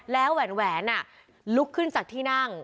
แล้วแหวนลุกขึ้นจากที่นั่ง